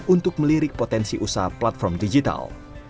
untuk melirik potensi usaha platform digital